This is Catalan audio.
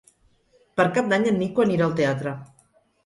Per Cap d'Any en Nico anirà al teatre.